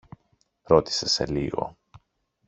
ρώτησε σε λίγο.